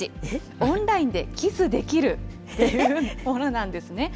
オンラインでキスできるというものなんですね。